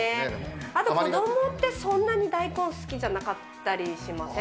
あと子どもって、そんなに大根好きじゃなかったりしません？